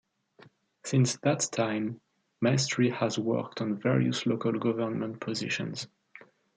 Since that time, Maestri has worked in various local government positions.